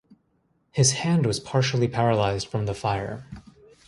His hand was partially paralyzed from the fire.